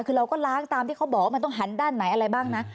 คือเราก็ล้างตามที่เขาบอกว่ามันต้องหันด้านไหนอะไรบ้างนะ